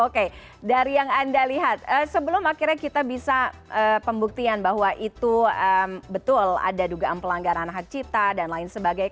oke dari yang anda lihat sebelum akhirnya kita bisa pembuktian bahwa itu betul ada dugaan pelanggaran hak cipta dan lain sebagainya